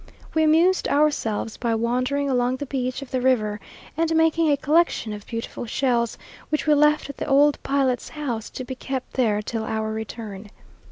We amused ourselves by wandering along the beach of the river and making a collection of beautiful shells, which we left at the old pilot's house, to be kept there till our return.